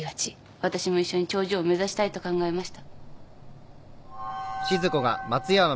私も一緒に頂上を目指したいと考えました。